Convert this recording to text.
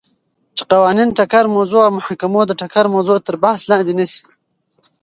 چی قوانینو ټکر موضوع او محاکمو د ټکر موضوع تر بحث لاندی نیسی ،